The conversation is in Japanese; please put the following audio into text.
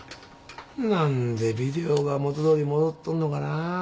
何でビデオが元どおりに戻っとんのかな。